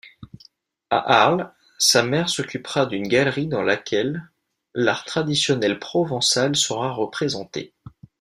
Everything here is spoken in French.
À Arles, sa mère s’occupera d’une Galerie dans laquelle l'art traditionnel provençal sera représenté.